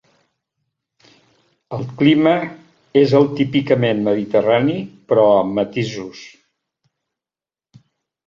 El clima és el típicament mediterrani però amb matisos.